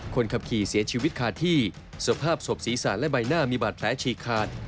คนขับขี่เสียชีวิตคาที่สภาพศพศีรษะและใบหน้ามีบาดแผลฉีกขาด